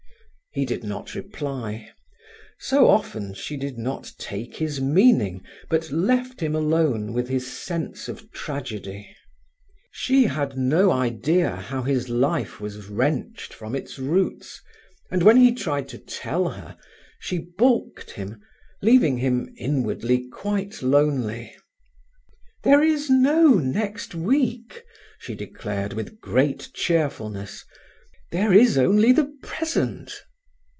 He did not reply. So often she did not take his meaning, but left him alone with his sense of tragedy. She had no idea how his life was wrenched from its roots, and when he tried to tell her, she balked him, leaving him inwardly quite lonely. "There is no next week," she declared, with great cheerfulness. "There is only the present."